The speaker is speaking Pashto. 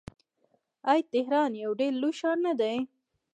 آیا تهران یو ډیر لوی ښار نه دی؟